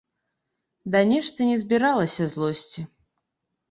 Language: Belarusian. Ды нешта не збіралася злосці.